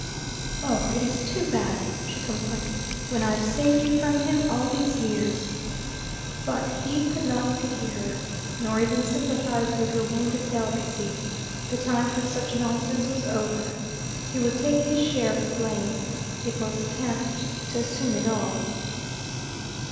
"Oh, it is too bad," she complained, "when I've saved you from him all these years." But he could not pity her, nor even sympathize with her wounded delicacy. The time for such nonsense was over. He would take his share of the blame: it was cant to assume it all.